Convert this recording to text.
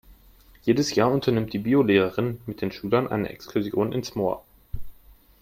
Jedes Jahr unternimmt die Biolehrerin mit den Schülern eine Exkursion ins Moor.